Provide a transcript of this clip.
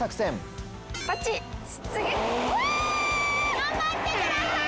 頑張ってください！